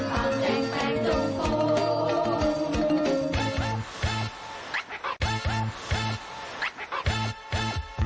โปรดติดตามตอนต่อไป